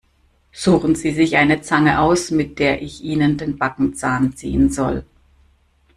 Suchen Sie sich eine Zange aus, mit der ich Ihnen den Backenzahn ziehen soll!